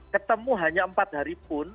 ketemu hanya empat hari pun